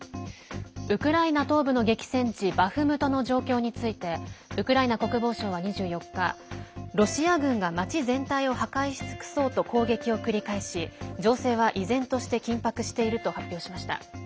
ウクライナ東部の激戦地バフムトの状況についてウクライナ国防省は２４日ロシア軍が、町全体を破壊しつくそうと攻撃を繰り返し情勢は依然として緊迫していると発表しました。